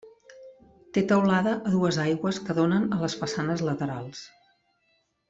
Té teulada a dues aigües que donen a les façanes laterals.